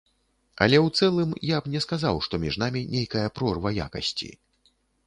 Але ў цэлым, я б не сказаў, што між намі нейкая прорва якасці.